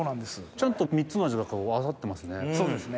ちゃんと３つの味が混ざってますね。